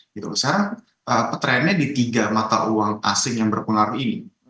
tidak usah trendnya di tiga mata uang asing yang berpengaruh ini